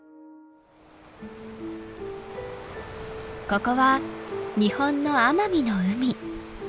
ここは日本の奄美の海。